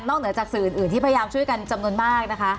เหนือจากสื่ออื่นที่พยายามช่วยกันจำนวนมากนะคะ